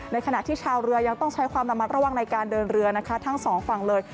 ขณะที่ชาวเรือยังต้องใช้ความระมัดระวังในการเดินเรือนะคะทั้งสองฝั่งเลย